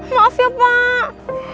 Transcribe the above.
maaf ya pak